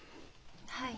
はい。